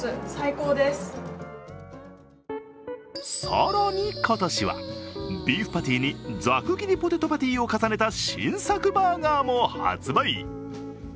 更に、今年はビーフパティにザク切りポテトパティを重ねた新作バーガーも発売。